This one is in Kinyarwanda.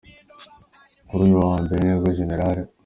Kuri uyu wa mbere ni bwo Gen.